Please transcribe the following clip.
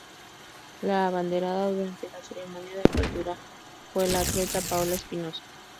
La abanderada durante la ceremonia de apertura fue la atleta Paola Espinosa.